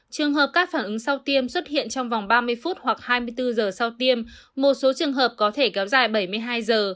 trường hợp các phản ứng sau tiêm xuất hiện trong vòng ba mươi phút hoặc hai mươi bốn giờ sau tiêm một số trường hợp có thể kéo dài bảy mươi hai giờ